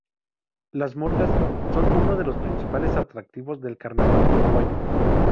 Las murgas son uno de los principales atractivos del carnaval uruguayo.